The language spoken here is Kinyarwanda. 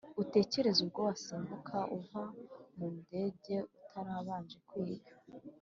Utekereze ubwo wasimbuka uva mu ndege utarabanje kwiga